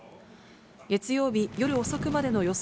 月曜日夜遅くまでの予想